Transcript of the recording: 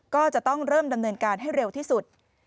ก็จะต้องเริ่มดำเนินการให้เร็วที่สุด